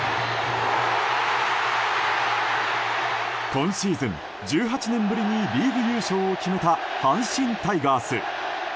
今シーズン１８年ぶりにリーグ優勝を決めた阪神タイガース。